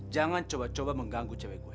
jangan coba coba mengganggu cewek gue